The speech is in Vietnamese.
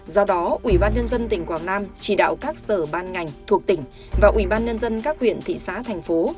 do đó quỹ ban nhân dân tỉnh quảng nam chỉ đạo các sở ban ngành thuộc tỉnh và quỹ ban nhân dân các huyện thị xá thành phố